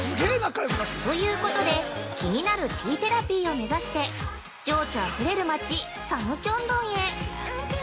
◆ということで、気になる「ティーテラピー」を目指して、情緒あふれる町、三清洞へ。